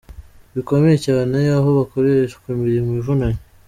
bukomeye cyane aho bakoreshwa imirimo ivunanye.